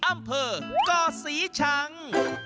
อำเภอกาวสีชัง